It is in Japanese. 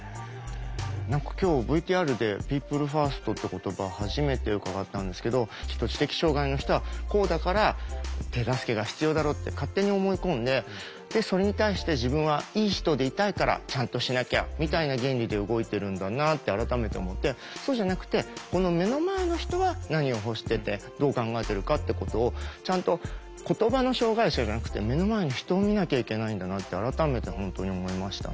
何か今日ＶＴＲでピープルファーストって言葉初めて伺ったんですけど知的障害の人はこうだから手助けが必要だろうって勝手に思い込んでそれに対して自分はいい人でいたいからちゃんとしなきゃみたいな原理で動いてるんだなって改めて思ってそうじゃなくてこの目の前の人は何を欲しててどう考えてるかってことをちゃんと言葉の障害者じゃなくて目の前の人を見なきゃいけないんだなって改めて本当に思いましたね。